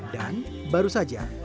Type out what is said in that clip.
dan baru saja